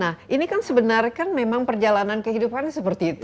nah ini kan sebenarnya kan memang perjalanan kehidupannya seperti itu